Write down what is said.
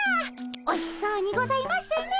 おいしそうにございますね。